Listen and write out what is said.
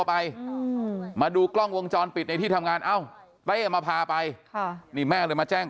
ไปมาดูกล้องวงจรปิดในที่ทำงานเอ้าไปมาพาไปแม่เลยมาแจ้ง